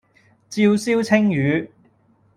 照燒鯖魚